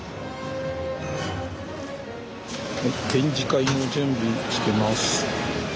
展示会の準備してます。